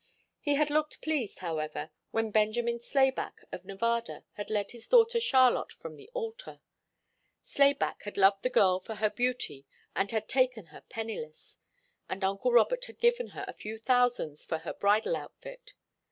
He had looked pleased, however, when Benjamin Slayback of Nevada had led his daughter Charlotte from the altar. Slayback had loved the girl for her beauty and had taken her penniless; and uncle Robert had given her a few thousands for her bridal outfit.